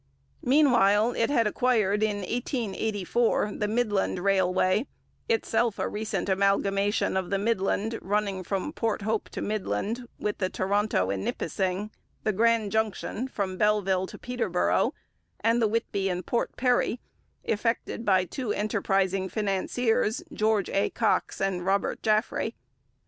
Meanwhile it had acquired, in 1884, the Midland Railway, itself a recent amalgamation of the Midland, running from Port Hope to Midland, with the Toronto and Nipissing, the Grand Junction, from Belleville to Peterborough, and the Whitby and Port Perry, effected by two enterprising financiers, George A. Cox and Robert Jaffray.